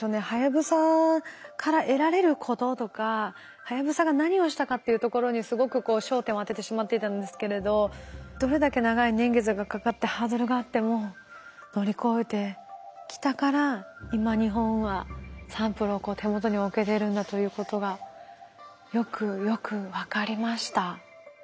はやぶさから得られることとかはやぶさが何をしたかっていうところにすごくこう焦点を当ててしまっていたんですけれどどれだけ長い年月がかかってハードルがあっても乗り越えてきたから今日本はサンプルをこう手元に置けてるんだということがよくよく分かりました。